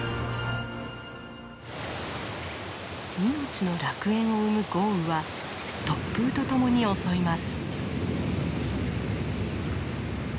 命の楽園を生む豪雨は突風とともに襲います。